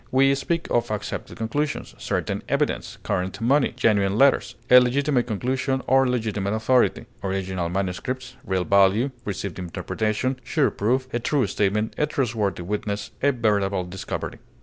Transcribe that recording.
We speak of accepted conclusions, certain evidence, current money, genuine letters, a legitimate conclusion or legitimate authority, original manuscripts, real value, received interpretation, sure proof, a true statement, a trustworthy witness, a veritable discovery.